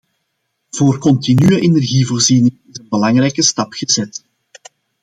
Voor continue energievoorziening is een belangrijke stap gezet.